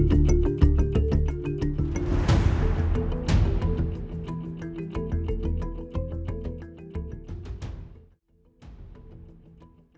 เนี้ย